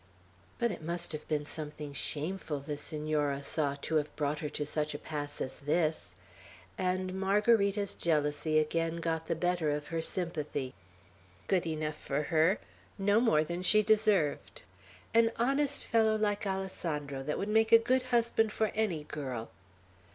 But it must have been something shameful the Senora saw, to have brought her to such a pass as this;" and Margarita's jealousy again got the better of her sympathy. "Good enough for her. No more than she deserved. An honest fellow like Alessandro, that would make a good husband for any girl!"